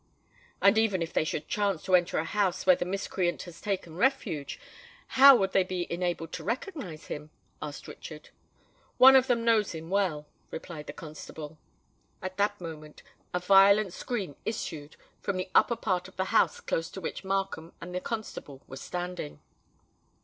"And even if they should chance to enter a house where the miscreant has taken refuge, how would they be enabled to recognise him?" asked Richard. "One of them knows him well," replied the constable. At that moment a violent scream issued from the upper part of the house close to which Markham and the constable were standing.